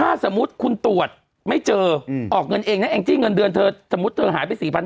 ถ้าสมมุติคุณตรวจไม่เจอออกเงินเองนะแองจี้เงินเดือนเธอสมมุติเธอหายไป๔๐๐